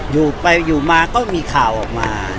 อยู่ไปอยู่มาก็มีข่าวออกมา